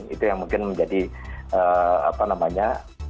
itu yang mungkin menjadi apa namanya